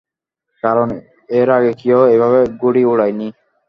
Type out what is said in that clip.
কারণ, এর আগে কেউ এভাবে ঘুড়ি উড়ায়নি!